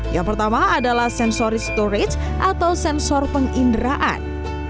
yang pertama adalah sensories storage atau sensor penginderaan